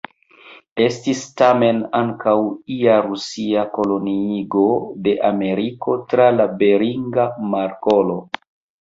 Estis tamen ankaŭ ia Rusia koloniigo de Ameriko tra la Beringa Markolo.